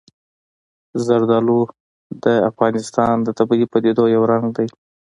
زردالو د افغانستان د طبیعي پدیدو یو رنګ دی.